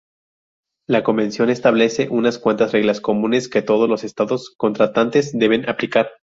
La convención establece unas cuantas reglas comunes que todos los Estados contratantes deben aplicar.